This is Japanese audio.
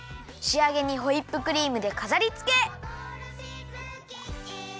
しあげにホイップクリームでかざりつけ！